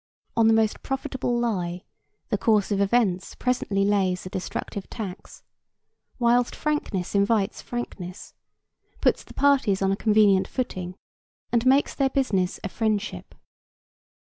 On the most profitable lie the course of events presently lays a destructive tax; whilst frankness invites frankness, puts the parties on a convenient footing and makes their business a friendship.